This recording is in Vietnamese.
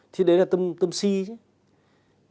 thì đấy là tâm si chứ